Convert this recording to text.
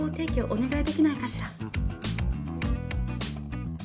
お願いできないかしら？